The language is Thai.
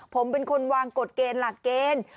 ผมเป็นคนวางกฎเกณฑ์หลักเกณฑ์